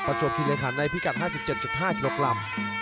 ประจวดที่เลยคันในพิกัด๕๗๕กิโลกรัม